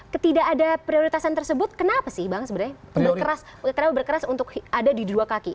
ketidak ada prioritasan tersebut kenapa sih bang sebenarnya kenapa berkeras untuk ada di dua kaki